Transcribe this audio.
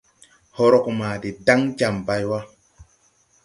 Horɔg ma de daŋ jam bay wà.